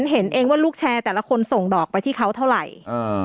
เห็นเองว่าลูกแชร์แต่ละคนส่งดอกไปที่เขาเท่าไหร่